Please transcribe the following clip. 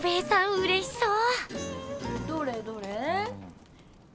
うれしそう！